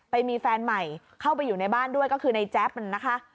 ไปมีแฟนใหม่เข้าไปอยู่ในบ้านด้วยก็คือในแจ๊บนะคะ